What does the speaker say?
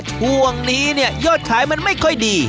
ช่วงนี้เนี่ยยอดขายมันไม่ค่อยดี